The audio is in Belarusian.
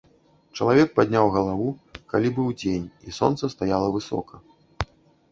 Чалавек падняў галаву, калі быў дзень і сонца стаяла высока.